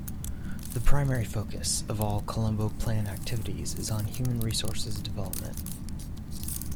The primary focus of all Colombo Plan activities is on human resources development.